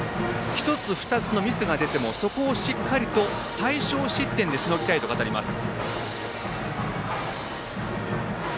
１つ、２つのミスが出てもそこをしっかり最少失点でしのぎたいと語ります。